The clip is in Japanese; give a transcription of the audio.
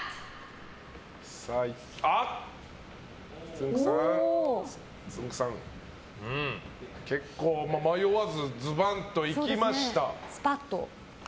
つんく♂さん結構迷わずズバンといきました。